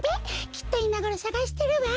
きっといまごろさがしてるわ。